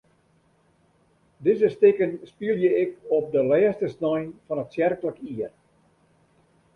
Dizze stikken spylje ik op de lêste snein fan it tsjerklik jier.